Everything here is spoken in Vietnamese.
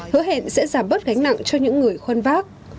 hứa hẹn sẽ giảm bớt gánh nặng cho những người khuân vác